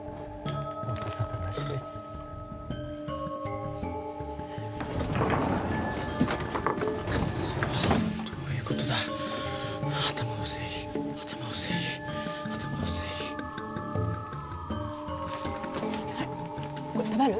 音沙汰なしですクソどういうことだ頭を整理頭を整理頭を整理はいこれ食べる？